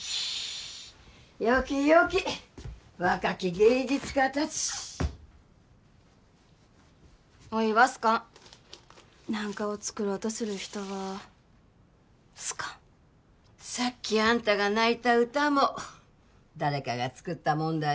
よきよき若き芸術家達おいは好かん何かを作ろうとする人は好かんさっきあんたが泣いた歌も誰かが作ったもんだよ